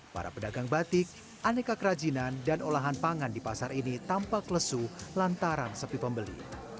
para pedagang batik aneka kerajinan dan olahan pangan di pasar ini tampak lesu lantaran sepi pembeli